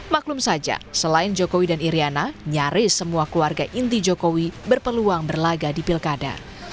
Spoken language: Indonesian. maklum saja selain jokowi dan iryana nyaris semua keluarga inti jokowi berpeluang berlaga di pilkada